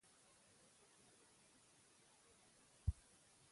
غږ يې کړ وه جلۍ سختي پرېدئ.